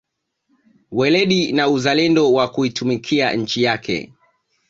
Weledi na uzalendo wa kuitumikia nchi yake